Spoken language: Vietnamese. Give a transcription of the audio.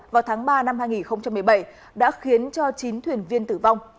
vào tháng ba năm hai nghìn một mươi bảy đã khiến cho chín thuyền viên tử vong